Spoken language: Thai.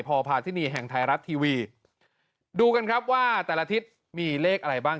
พอพาทินีแห่งไทยรัฐทีวีดูกันครับว่าแต่ละทิศมีเลขอะไรบ้าง